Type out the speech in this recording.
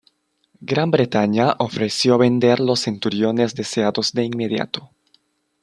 Gran Bretaña ofreció vender los Centuriones deseados de inmediato.